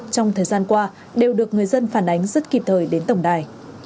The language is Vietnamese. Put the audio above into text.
trong thời gian qua đều được người dân phản ánh rất kịp thời đến tổng đài